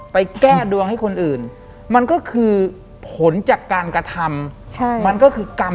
หลังจากนั้นเราไม่ได้คุยกันนะคะเดินเข้าบ้านอืม